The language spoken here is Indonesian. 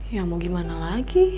ya mau gimana lagi